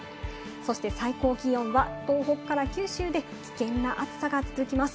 そして最高気温は東北から九州で危険な暑さが続きます。